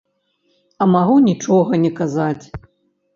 А магу нічога не казаць.